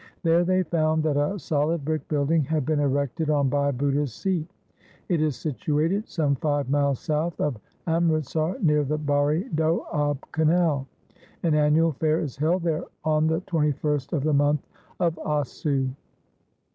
There they found that a solid brick building had been erected on Bhai Budha's seat. It is situated some five miles south of Amritsar near the Bari Doab canal. An annual fair is held there on the 2ist of the month of Assu.